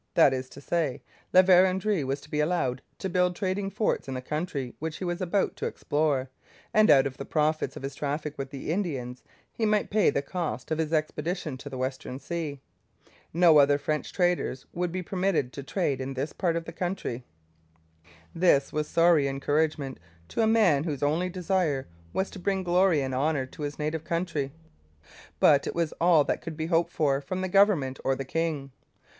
That is to say, La Vérendrye was to be allowed to build trading forts in the country which he was about to explore, and, out of the profits of his traffic with the Indians, he might pay the cost of his expedition to the Western Sea. No other French traders would be permitted to trade in this part of the country. This was sorry encouragement to a man whose only desire was to bring glory and honour to his native country; but it was all that could be hoped for from the government or the king.